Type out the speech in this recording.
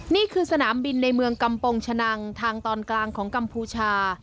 นี่คือสนามบินในเมืองกำปงชะนังทางตอนกลางของกัมพูชา